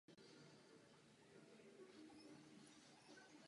Pomocí software lze tyto prvky řadit do různých oddělených skupin.